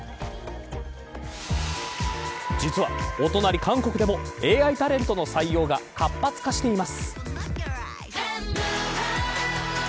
実はお隣、韓国でもＡＩタレントの採用が活発化しています。